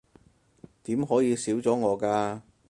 點可以少咗我㗎